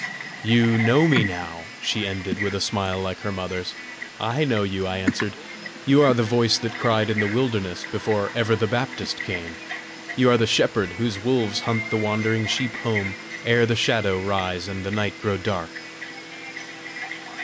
" You know me now!" she ended, with a smile like her mother's. "I know you!" I answered: "you are the voice that cried in the wilderness before ever the Baptist came! you are the shepherd whose wolves hunt the wandering sheep home ere the shadow rise and the night grow dark!"